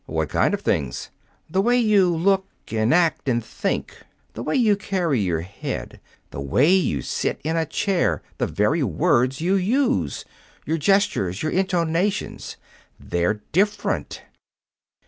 "What kind of things?" "The way you look and act and think. The way you carry your head. The way you sit in a chair. The very words you use, your gestures, your intonations. They're different."